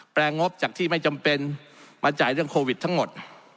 ลงบจากที่ไม่จำเป็นมาจ่ายเรื่องโควิดทั้งหมด